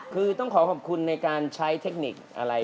คือต้องขอขอบคุณในการใช้เทคนิคอะไร